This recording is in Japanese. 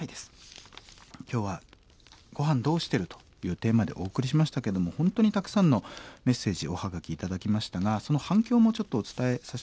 今日は「ごはんどうしてる？」というテーマでお送りしましたけども本当にたくさんのメッセージおはがき頂きましたがその反響もちょっと伝えさせて下さい。